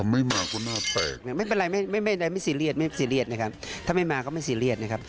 ไม่เป็นไรไม่ซีเรียสนะครับถ้าไม่มาก็ไม่ซีเรียสนะครับ